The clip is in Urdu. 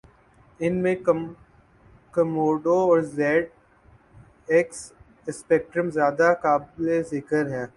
ان میں کمکموڈو اور زیڈ ایکس اسپیکٹرم زیادہ قابل ذکر ہیں